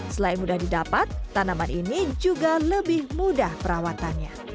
selain mudah didapat tanaman ini juga lebih mudah perawatannya